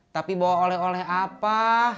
tapi bawa oleh oleh apa